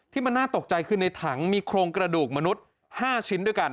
ที่มันน่าตกใจคือในถังมีโครงกระดูกมนุษย์๕ชิ้นด้วยกัน